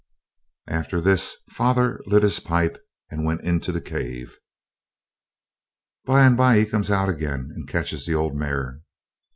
After this father lit his pipe and went into the cave. By and by he comes out again and catches the old mare.